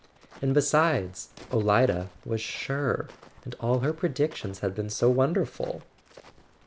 And besides, Olida was sure , and all her predictions had been so wonderful.